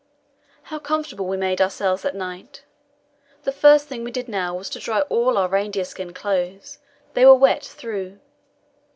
How comfortable we made ourselves that night! The first thing we did now was to dry all our reindeer skin clothes; they were wet through.